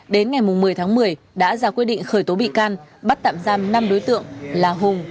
đến ngày một mươi tháng một mươi đã ra quyết định khởi tố bị can bắt tạm giam năm đối tượng là hùng